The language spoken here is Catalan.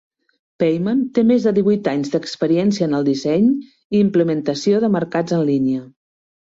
Peyman té més de divuit anys d'experiència en el disseny i implementació de mercats en línia.